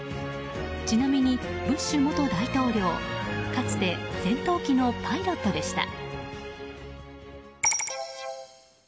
ちなみに、ブッシュ元大統領かつて戦闘機のパイロットでした。